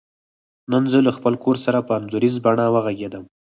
نن زه له خپل کور سره په انځوریزه بڼه وغږیدم.